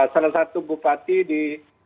salah satu bupati di